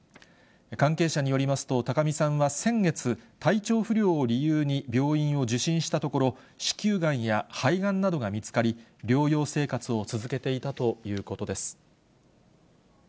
関係者によりますと、高見さんは先月、体調不良を理由に、病院を受診したところ、子宮がんや肺がんなどが見つかり、療養生活を続けていたということです。